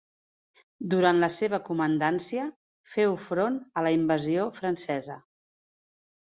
Durant la seva la comandància féu front a la invasió francesa.